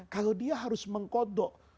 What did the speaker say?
kalau dia harus mengkodok